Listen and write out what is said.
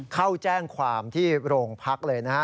เข้าแจ้งความที่โรงพักเลยนะฮะ